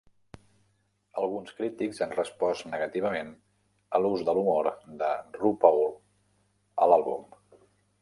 Alguns crítics han respost negativament a l'ús de l'humor de RuPaul a l'àlbum.